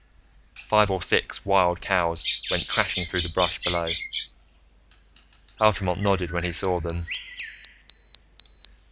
Five or six wild cows went crashing through the brush below. Altamont nodded when he saw them.